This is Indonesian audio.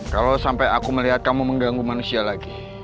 kalau sampai aku melihat kamu mengganggu manusia lagi